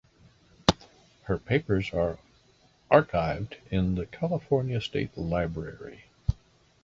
Her papers are archived in the California State Library.